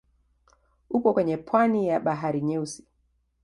Upo kwenye pwani ya Bahari Nyeusi.